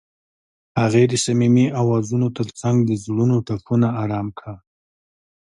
هغې د صمیمي اوازونو ترڅنګ د زړونو ټپونه آرام کړل.